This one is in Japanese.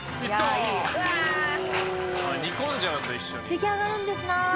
出来上がるんですなぁ